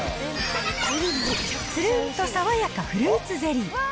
つるんと爽やか、フルーツゼリー。